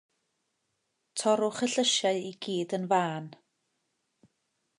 Torrwch y llysiau i gyd yn fân.